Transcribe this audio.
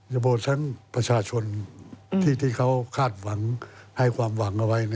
บททั้งประชาชนที่เขาคาดหวังให้ความหวังเอาไว้